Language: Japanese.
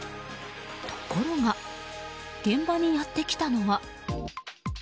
ところが現場にやってきたのは。